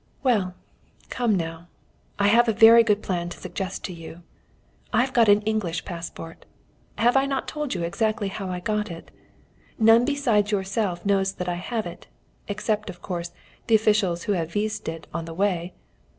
"Well, come now, I have a very good plan to suggest to you. I've got an English passport. Have I not told you exactly how I got it? None besides yourself knows that I have it, except, of course, the officials who have viséd it on the way.